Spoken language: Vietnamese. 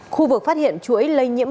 khu vực phát hiện chuỗi lây nhiễm